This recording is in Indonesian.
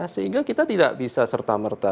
sehingga kita tidak bisa serta merta